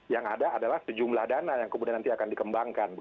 yang ada adalah sejumlah dana yang kemudian nanti akan dikembangkan